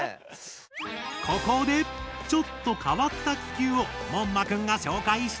ここでちょっと変わった気球をモンマくんが紹介してくれるぞ！